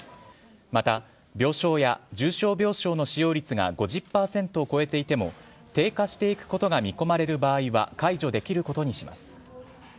また、病床や重症病床の使用率が５０％を超えていても低下していくことが見込まれる場合は解除できることにします。